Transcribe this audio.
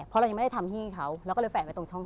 เพราะเรายังไม่ได้ทำที่ให้เขาเราก็เลยแฝนไปตรงช่องแอร์